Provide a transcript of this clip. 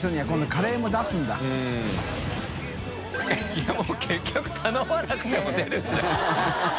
いやもう結局頼まなくても出るじゃん